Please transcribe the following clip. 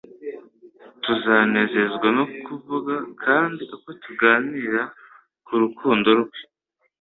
Tuzanezezwa no kumuvuga; kandi uko tuganira ku rukundo Rwe